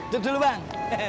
cukup dulu bang